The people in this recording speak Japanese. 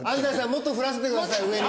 もっと降らせてください上に。